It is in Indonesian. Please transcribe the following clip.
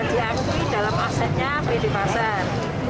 dianggupi dalam asetnya pilih pasar